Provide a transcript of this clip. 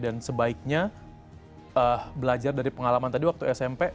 dan sebaiknya belajar dari pengalaman tadi waktu smp